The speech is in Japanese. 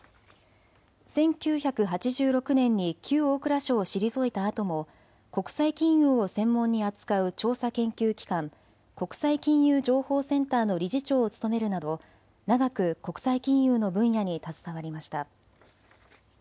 １９８６年に旧大蔵省を退いたあとも国際金融を専門に扱う調査研究機関国際金融情報センターの理事長を務めるなど長く国際金融の分野に携わりました。